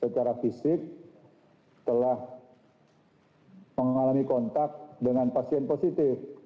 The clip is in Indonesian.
secara fisik telah mengalami kontak dengan pasien positif